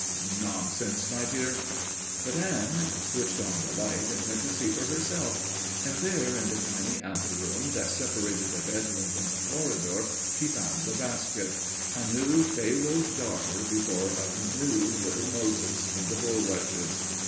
"Nonsense, my dear!" But Anne switched on the light and went to see for herself; and there, in the tiny anteroom that separated the bedroom from the corridor, she found the basket a new Pharoah's daughter before a new little Moses in the bulrushes.